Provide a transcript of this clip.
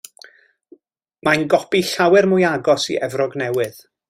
Mae'n gopi llawer mwy agos i Efrog Newydd.